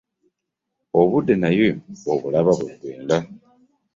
Obudde naye obulaba bwe bugenda?